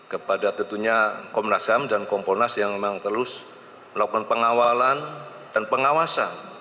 kepada tentunya komnas ham dan kompolnas yang memang terus melakukan pengawalan dan pengawasan